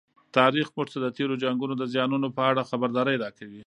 تاریخ موږ ته د تېرو جنګونو د زیانونو په اړه خبرداری راکوي.